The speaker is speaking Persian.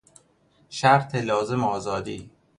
شرط لازم آزادی